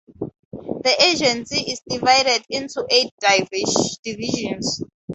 The agency is divided into Eight divisions.